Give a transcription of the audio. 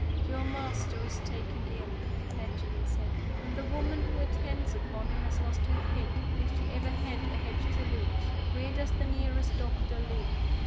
"Your master is taken ill," Benjamin said; "and the woman who attends upon him has lost her head if she ever had a head to lose. Where does the nearest doctor live?"